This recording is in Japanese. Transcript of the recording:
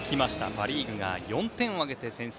パ・リーグが４点を挙げて先制。